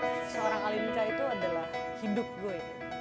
balapan buat seorang kalimunca itu adalah hidup gue